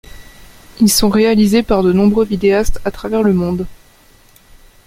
Ils sont réalisés par de nombreux vidéastes à travers le monde.